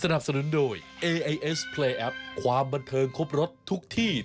มาอยู่ทำไม